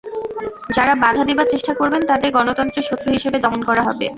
যাঁরা বাধা দেবার চেষ্টা করবেন, তাঁদের গণতন্ত্রের শত্রু হিসেবে দমন করা হবে।